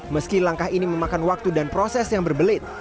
meski langkah ini memakan waktu dan proses yang berbelit